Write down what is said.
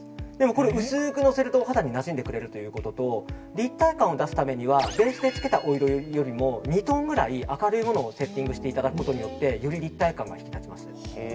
これ、薄くのせるとお肌になじんでくれるということと立体感を出すためにはベースでつけたお色よりも２トーンぐらい明るいものをセッティングしていただくことで立体感が引き立ちます。